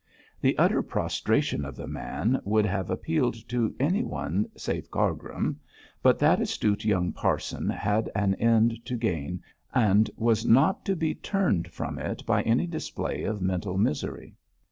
The utter prostration of the man would have appealed to anyone save Cargrim, but that astute young parson had an end to gain and was not to be turned from it by any display of mental misery.